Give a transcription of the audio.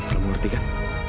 kamu ngerti kan